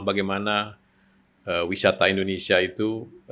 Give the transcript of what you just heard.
bagaimana wisata indonesia itu